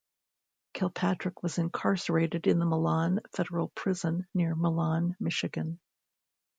Kilpatrick was incarcerated in the Milan Federal Prison near Milan, Michigan.